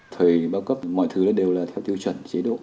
thời bao cấp mọi thứ đều là theo tiêu chuẩn chế độ